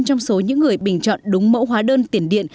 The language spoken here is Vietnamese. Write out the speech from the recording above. trong số những người bình chọn đúng mẫu hóa đơn tiền điện